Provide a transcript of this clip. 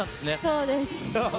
そうです。